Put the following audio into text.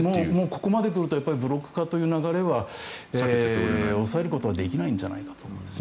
ここまで来るとブロック化という流れは抑えることはできないんじゃないかと思います。